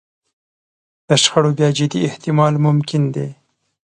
د شخړو بیا جدي احتمال ممکن دی.